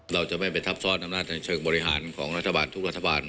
เราจะไม่ไปทับซ้อนอำนาจในเชิงบริหารของรัฐบาลทุกรัฐบาล